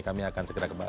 kami akan segera kembali